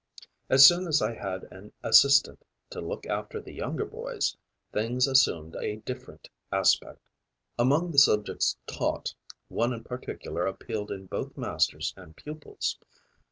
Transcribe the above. As soon as I had an assistant to look after the younger boys, things assumed a different aspect. Among the subjects taught, one in particular appealed to both masters and pupils.